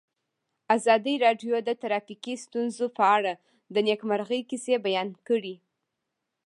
ازادي راډیو د ټرافیکي ستونزې په اړه د نېکمرغۍ کیسې بیان کړې.